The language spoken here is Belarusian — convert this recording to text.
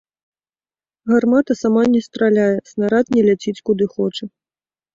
Гармата сама не страляе, снарад не ляціць куды хоча.